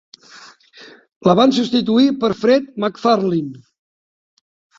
La van substituir per Fred McFarlin.